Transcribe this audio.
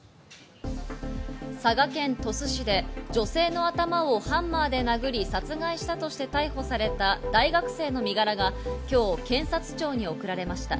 佐賀県鳥栖市で女性の頭をハンマーで殴り殺害したとして逮捕された大学生の身柄が今日、検察庁に送られました。